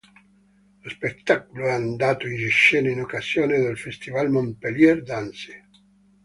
Lo spettacolo è andato in scena in occasione del Festival Montpellier Danse.